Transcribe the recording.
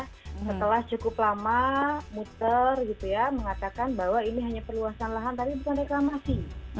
setelah cukup lama muter gitu ya mengatakan bahwa ini hanya perluasan lahan tapi bukan reklamasi